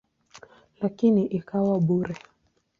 Lakini ikawa bure.